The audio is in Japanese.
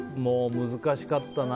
難しかったな。